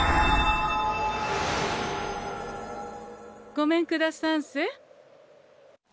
ごめんくださんせ。